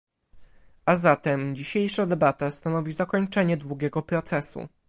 A zatem, dzisiejsza debata stanowi zakończenie długiego procesu